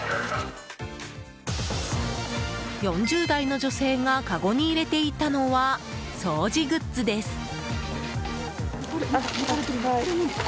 ４０代の女性がかごに入れていたのは掃除グッズです。